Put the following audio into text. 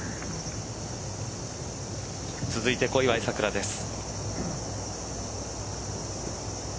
続いて小祝さくらです。